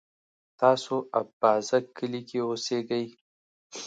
تاسو اببازک کلي کی اوسیږئ؟